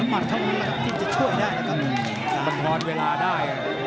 มันมอดเวลาได้